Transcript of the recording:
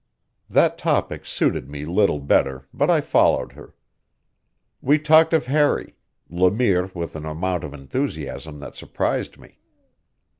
That topic suited me little better, but I followed her. We talked of Harry, Le Mire with an amount of enthusiasm that surprised me.